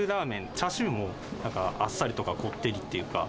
チャーシューもなんかあっさりとかこってりっていうか。